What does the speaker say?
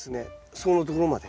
そこのところまで。